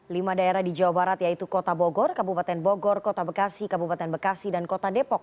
lima daerah di jawa barat yaitu kota bogor kabupaten bogor kota bekasi kabupaten bekasi dan kota depok